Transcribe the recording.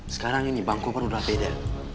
sekarang ini bang kobar udah beda